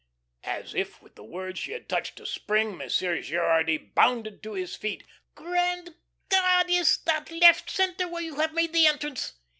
As if with the words she had touched a spring, Monsieur Gerardy bounded to his feet. "Grand God! Is that left centre where you have made the entrance?